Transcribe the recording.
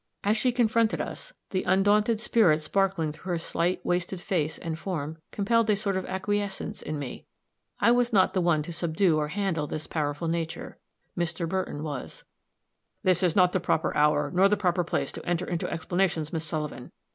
As she confronted us, the undaunted spirit sparkling through her slight, wasted face and form, compelled a sort of acquiescence in me. I was not the one to subdue or handle this powerful nature. Mr. Burton was. "This is not the proper hour, nor the proper place, to enter into explanations, Miss Sullivan.